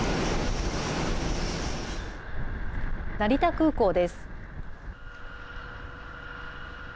成田空港です。